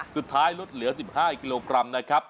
สุดท้ายลดเหลือ๑๕กิโลกรัมนะครับ